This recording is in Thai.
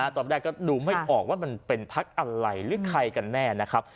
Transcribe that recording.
ตอนแรกดูไม่ได้รู้ได้ว่ามันเป็นพรรคอะไรหรือใครกันแน่นะครับ